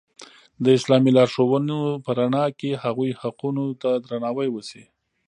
د اسلامي لارښوونو په رڼا کې هغوی حقونو ته درناوی وشي.